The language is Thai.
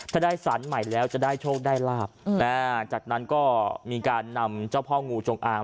ถ้าได้สารใหม่แล้วจะได้โชคได้ลาบจากนั้นก็มีการนำเจ้าพ่องูจงอาง